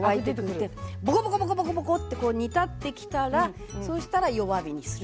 ボコボコボコボコってこう煮立ってきたらそうしたら弱火にする。